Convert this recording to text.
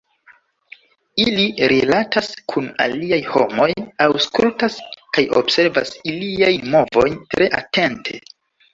Ili rilatas kun aliaj homoj, aŭskultas kaj observas iliajn movojn tre atente.